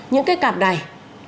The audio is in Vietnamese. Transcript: những cái cặp này